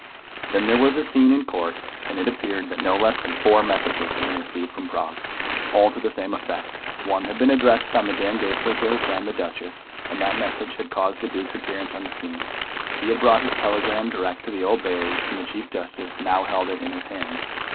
Then there was a scene in Court, and it appeared that no less than four messages had been received from Prague, all to the same effect. One had been addressed by Madame Goesler to her friend the Duchess, and that message had caused the Duke's appearance on the scene. He had brought his telegram direct to the Old Bailey, and the Chief Justice now held it in his hand.